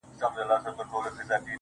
زما ټول ځان نن ستا وه ښكلي مخته سرټيټوي.